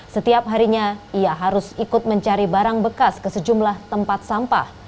setiap harinya ia harus ikut mencari barang bekas ke sejumlah tempat sampah